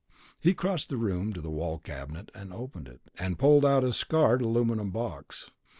He crossed the room to a wall cabinet, opened it, and pulled out a scarred aluminum box.